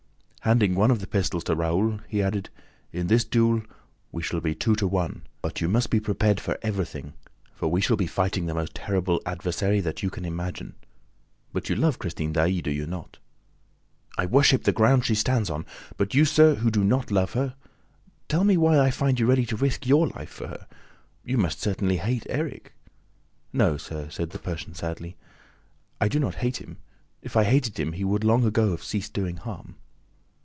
Handing one of the pistols to Raoul, he added, "In this duel, we shall be two to one; but you must be prepared for everything, for we shall be fighting the most terrible adversary that you can imagine. But you love Christine Daae, do you not?" "I worship the ground she stands on! But you, sir, who do not love her, tell me why I find you ready to risk your life for her! You must certainly hate Erik!" "No, sir," said the Persian sadly, "I do not hate him. If I hated him, he would long ago have ceased doing harm."